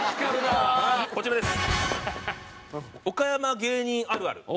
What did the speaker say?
こちらです。